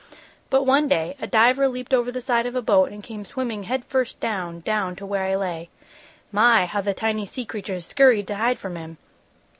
"But one day a diver leaped over the side of a boat and came swimming head first down, down to where I lay. My! How the tiny sea creatures scurried to hide from him.